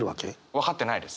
分かってないです。